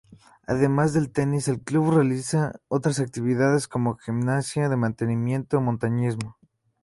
Además del tenis, el club realiza otras actividades como gimnasia de mantenimiento o montañismo.